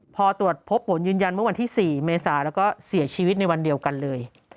พอตรวจพบผลยืนยันเมื่อวันที่๔เมษาแล้วก็เสียชีวิตในวันเดียวกันเลย